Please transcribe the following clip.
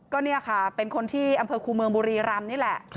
ก็เนี่ยค่ะเป็นคนที่อำเภอคูเมืองบุรีรำนี่แหละ